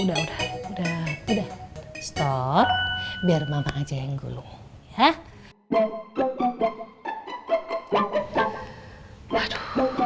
udah udah udah udah stop biar mama aja yang gulung ya